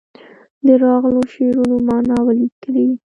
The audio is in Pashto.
د راغلو شعرونو معنا ولیکي.